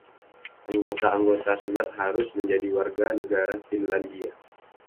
Anggota-anggota Senat harus menjadi warga negara Finlandia.